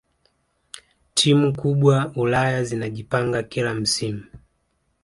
timu kubwa ulaya zinajipanga kila msimu